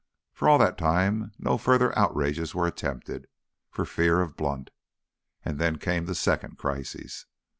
For all that time no further outrages were attempted, for fear of Blunt; and then came the second crisis.